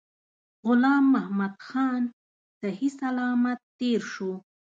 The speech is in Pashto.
غلام محمدخان صحی سلامت تېر شو.